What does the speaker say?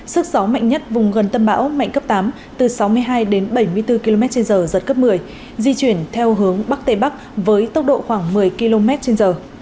sức gió mạnh nhất vùng gần tâm bão mạnh cấp tám từ sáu mươi hai đến bảy mươi bốn km trên giờ giật cấp một mươi di chuyển theo hướng bắc tây bắc với tốc độ khoảng một mươi km trên giờ